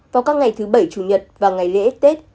vào các ngày thứ bảy chủ nhật và ngày lễ tết